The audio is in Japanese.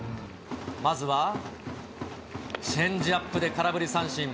まずはチェンジアップで空振り三振。